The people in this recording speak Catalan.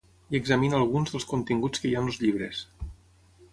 I examina alguns dels continguts que hi ha en els llibres.